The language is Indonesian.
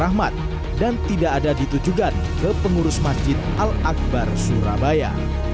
rahmat dan tidak ada ditujukan ke pengurus masjid al akbar surabaya